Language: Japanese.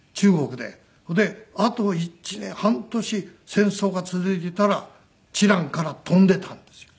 それであと１年半年戦争が続いてたら知覧から飛んでたんですよ。